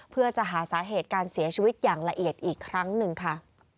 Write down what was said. เพื่อจะหาสาเหตุการเสียชีวิตอย่างละเอียดอีกครั้งหนึ่งค่ะ